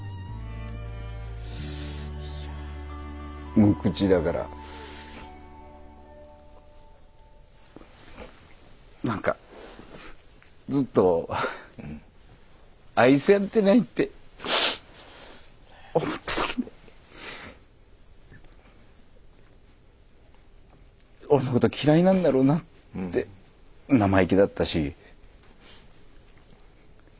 無口だから何かずっと愛されてないって思ってたので俺のこと嫌いなんだろうなって生意気だったし。